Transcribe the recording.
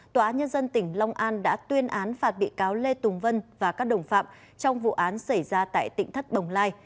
tòa án nhân dân tỉnh long an đã tuyên án phạt bị cáo lê tùng vân và các đồng phạm trong vụ án xảy ra tại tỉnh thất bồng lai